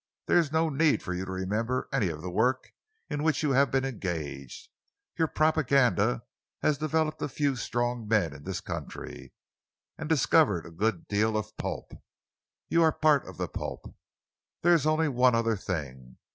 There is no need for you to remember any of the work in which you have been engaged. Your propaganda has developed a few strong men in this country and discovered a good deal of pulp. You are part of the pulp. There is only one other thing.